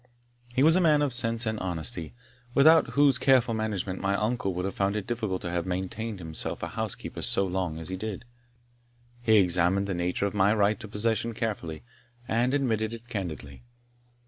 He was a man of sense and honesty, without whose careful management my uncle would have found it difficult to have maintained himself a housekeeper so long as he did. He examined the nature of my right of possession carefully, and admitted it candidly.